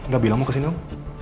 gak bilang mau kesini dong